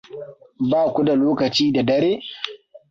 Ba ku da lokaci da dare?